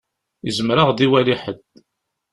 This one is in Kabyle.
Izmer ad ɣ-d-iwali ḥedd.